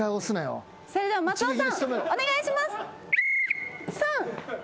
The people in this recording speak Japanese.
それでは松尾さんお願いします。